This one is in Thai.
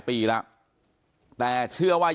ซึ่งไม่ได้เจอกันบ่อย